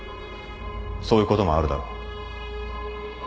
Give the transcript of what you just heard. そういうこともあるだろう。